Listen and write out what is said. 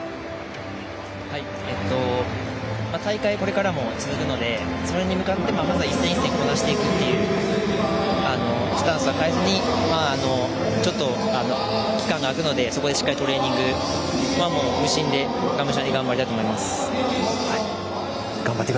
大会、これからも続くのでそれに向かってまずは一戦一戦こなしていくっていうスタンスは変えずにちょっと、期間が開くのでしっかりトレーニングを無心で、がむしゃらに頑張りたいと思います。